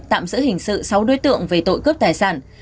tạm giữ hình sự sáu đối tượng về tội cướp tài sản